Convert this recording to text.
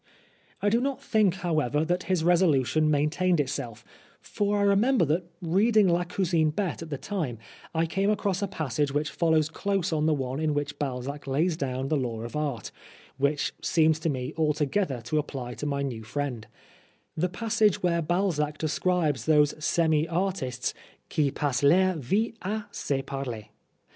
I do not think, however, that his resolution maintained itself, for I remember that, reading La Cousine Bette at that time, I came across a passage which follows close on the one in which Balzac lays down the law of art, which seemed to me altogether to apply to my new friend the passage where Balzac describes those semi artists qui passent leur vie a se parler.